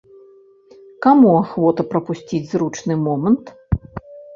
Каму ахвота прапусціць зручны момант?